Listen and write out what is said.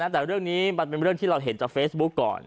แต่เรื่องนี้มันเป็นเรื่องที่เราเห็นจากเฟซบุ๊คก่อน